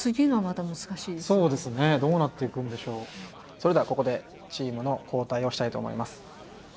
それではここでチームの交代をしたいと思います。